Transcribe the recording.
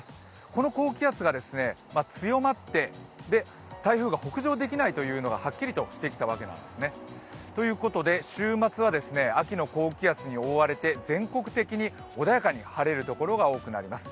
この高気圧が強まって、台風が北上できないというのがはっきりとしてきたわけです。ということで週末は秋の高気圧に覆われて全国的に穏やかに晴れるところが多くなります。